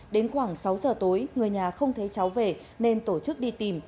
đến khoảng sáu giờ tối người nhà không thấy cháu về nên tổ chức đi tìm